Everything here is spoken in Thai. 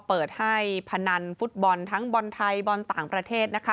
เปิดให้พนันฟุตบอลทั้งบอลไทยบอลต่างประเทศนะคะ